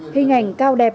hình ảnh cao đẹp